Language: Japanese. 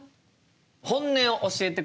本音を教えてください。